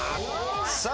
さあ